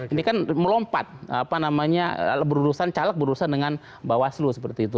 ini kan melompat apa namanya berurusan caleg caleg dengan bawaslu seperti itu